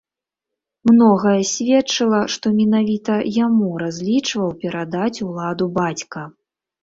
Многае сведчыла, што менавіта яму разлічваў перадаць уладу бацька.